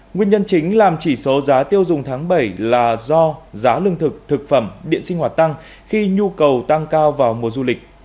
nguyên nhân chính làm chỉ số giá tiêu dùng tháng bảy là do giá lương thực thực phẩm điện sinh hoạt tăng khi nhu cầu tăng cao vào mùa du lịch